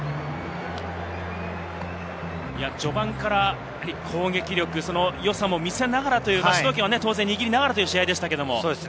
序盤から攻撃力、その良さも見せながら、主導権は当然握りながらというシーンでした。